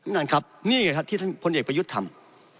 นั่นครับนี่ไงครับที่ท่านพลเอกประยุทธ์ทำ